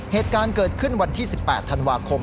เหตุการณ์เกิดขึ้นวันที่๑๘ธันวาคม